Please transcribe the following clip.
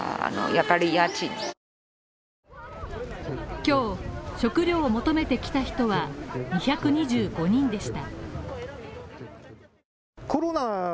今日、食料を求めてきた人は２２５人でした。